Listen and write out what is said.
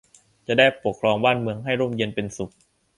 จะได้ปกครองบ้านเมืองให้ร่มเย็นเป็นสุข